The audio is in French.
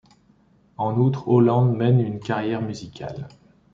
En outre, Howland mène une carrière musicale.